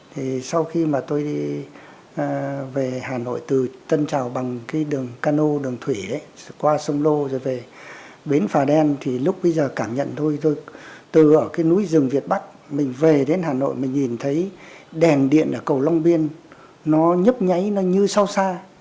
thì sau khi mà tôi đi về hà nội từ tân trào bằng cái đường cano đường thủy qua sông lô rồi về bến phà đen thì lúc bây giờ cảm nhận thôi tôi từ ở cái núi rừng việt bắc mình về đến hà nội mình nhìn thấy đèn điện ở cầu long biên nó nhấp nháy nó như sau xa